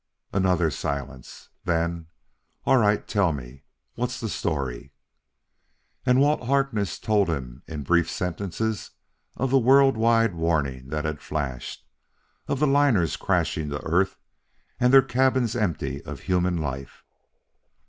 Another silence. Then: "All right, tell me! What's the story?" And Walt Harkness told him in brief sentences of the world wide warning that had flashed, of the liners crashing to earth and their cabins empty of human life.